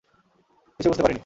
কিছুই বুঝতে পারিনি।